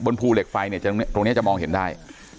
ภูเหล็กไฟเนี่ยตรงนี้จะมองเห็นได้